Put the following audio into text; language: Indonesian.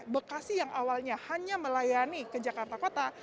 bekasi yang awalnya hanya melayani ke jakarta kota